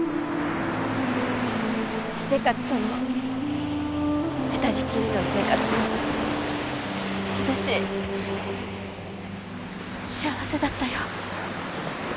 秀勝との二人きりの生活も私幸せだったよ